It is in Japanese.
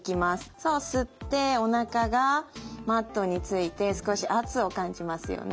そう吸っておなかがマットについて少し圧を感じますよね。